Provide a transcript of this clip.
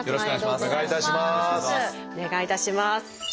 お願いいたします。